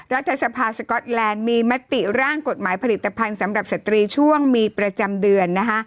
รัฐสภาสก๊อตแลนด์มีมติร่างกฎหมายผลิตภัณฑ์สำหรับสตรีช่วงมีประจำเดือนนะคะ